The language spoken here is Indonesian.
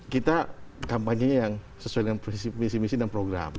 kita kampanye yang sesuai dengan visi misi dan program